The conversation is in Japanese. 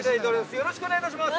◆よろしくお願いします。